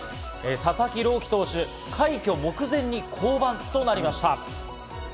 佐々木朗希投手、快挙目前に、降板となりました。